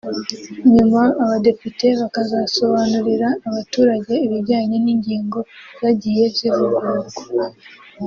nyuma Abadepite bakazasobanurira abaturage ibijyanye n’ingingo zagiye zivugururwa